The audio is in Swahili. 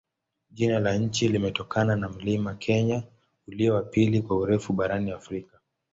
Jina la nchi limetokana na mlima Kenya, ulio wa pili kwa urefu barani Afrika.